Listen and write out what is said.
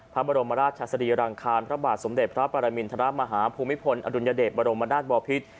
พระบรมราชสรีรังคารพระบาทสมเด็จพระปรมินทรมาฮาภูมิพลอดุลยเดชบรมนาศบอพิษ